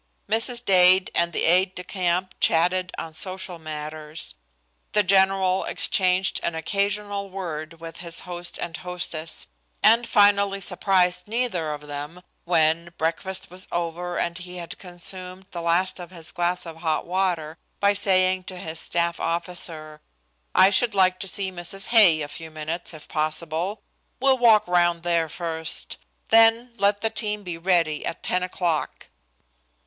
Mrs. Dade and the aide de camp chatted on social matters. The general exchanged an occasional word with his host and hostess, and finally surprised neither of them, when breakfast was over and he had consumed the last of his glass of hot water, by saying to his staff officer, "I should like to see Mrs. Hay a few minutes, if possible. We'll walk round there first. Then let the team be ready at ten o'clock."